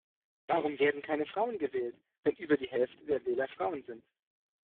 Warum werden keine Frauen gewählt, wenn über die Hälfte der Wähler Frauen sind?